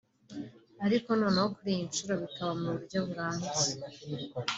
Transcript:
ariko noneho kuri iyi nshuro bikaba mu buryo burambye